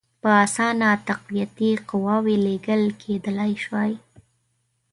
په اسانه تقویتي قواوي لېږل کېدلای سوای.